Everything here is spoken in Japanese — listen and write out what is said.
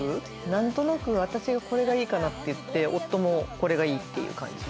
何となく私がこれがいいかなっていって夫もこれがいいっていう感じで。